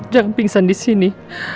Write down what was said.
jangan pingsan di sini